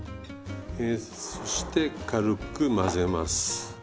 そして軽く混ぜます。